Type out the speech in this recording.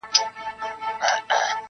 ازادۍ ږغ اخبار د هر چا لاس کي ګرځي.